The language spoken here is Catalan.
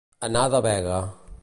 Anar de vega.